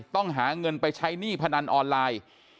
ต้องหาเงินไปใช้หนี้พนันออนไลน์